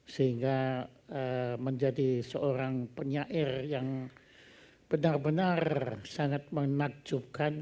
sehingga menjadi seorang penyair yang benar benar sangat menakjubkan